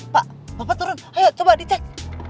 pak bapak turun ayo coba dicek